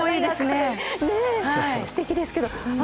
ねえすてきですけど。